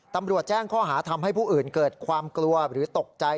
ตำรวจแจ้งข้อหาทำให้ผู้อื่นเกิดความกลัวหรือตกใจ